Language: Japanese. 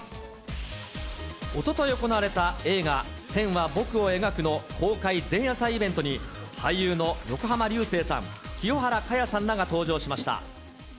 おととい行われた映画、線は、僕を描くの公開前夜祭イベントに、俳優の横浜流星さん、清原果耶さんらが登場しました。